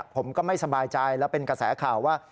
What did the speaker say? ผมก็ไม่สบายใจแล้วเป็นกระแสข่าวว่า